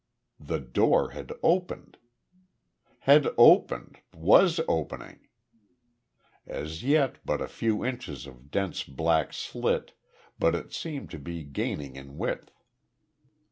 The door had opened. Had opened was opening. As yet but a few inches of dense black slit, but it seemed to be gaining in width.